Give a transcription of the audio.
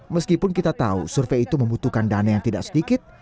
meskipun kita tahu survei itu membutuhkan dana yang tidak sedikit